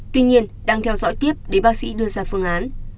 tuy nhiên đang theo dõi tiếp để bác sĩ đưa ra phương án